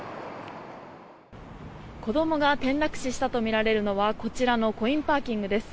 子どもが転落死したとみられるのはこちらのコインパーキングです。